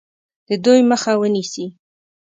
د دوی مخه ونیسي.